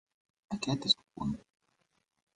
Aquest és el punt.